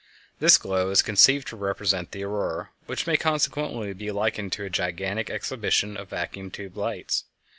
This glow is conceived to represent the Aurora, which may consequently be likened to a gigantic exhibition of vacuum tube lights.